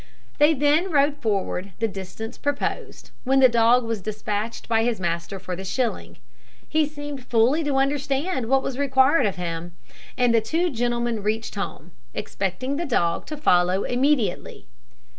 They then rode forward the distance proposed, when the dog was despatched by his master for the shilling. He seemed fully to understand what was required of him; and the two gentlemen reached home, expecting the dog to follow immediately.